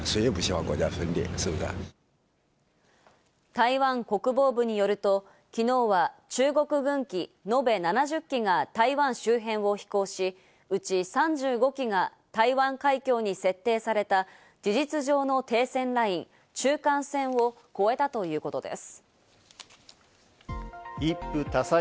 台湾国防部によると昨日は、中国軍機のべ７０機が台湾周辺を飛行し、うち３５機が台湾海峡に設定された事実上の停戦ライン、中間線を越えたということです。